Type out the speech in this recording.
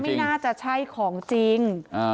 อันนั้นไม่น่าจะใช่ของจริง